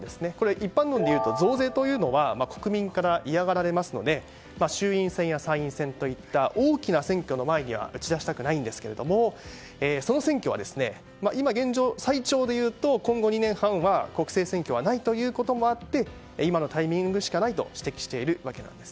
一般論でいうと増税というのは国民から嫌がられますので衆院選や参院選といった大きな選挙の前には打ち出したくないんですがその選挙は今現状、最長でいうと今後２年半は国政選挙がないということもあって今のタイミングしかないと指摘しているわけです。